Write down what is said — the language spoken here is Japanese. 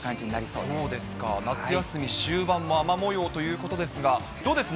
そうですか、夏休み終盤も雨もようということですが、どうです？